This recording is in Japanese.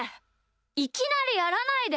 いきなりやらないで。